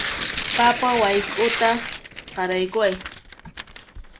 Papa wayk'uta qaraykuway